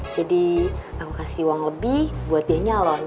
jadi aku kasih uang lebih buat dia nyalon